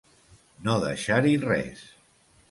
No deixar-hi res.